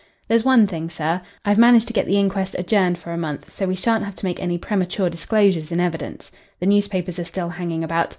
There's one thing, sir. I've managed to get the inquest adjourned for a month, so we shan't have to make any premature disclosures in evidence. The newspapers are still hanging about.